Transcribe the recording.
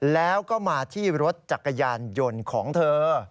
แล้วก็มาที่รถจักรยานยนต์ของเธอ